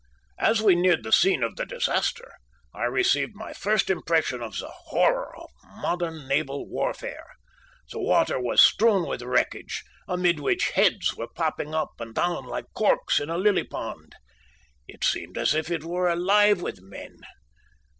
"As we neared the scene of the disaster I received my first impression of the horror of modern naval warfare. The water was strewn with wreckage, amid which heads were popping up and down like corks in a lily pond. It seemed as if it were alive with men.